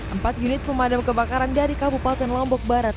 empat unit pemadam kebakaran dari kabupaten lombok barat